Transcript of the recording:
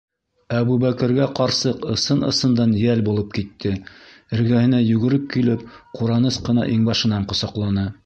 Әбүбәкергә ҡарсыҡ ысын-ысындан йәл булып китте, эргәһенә йүгереп килеп, ҡураныс ҡына иңбашынан ҡосаҡланы: